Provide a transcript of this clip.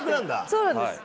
そうなんです。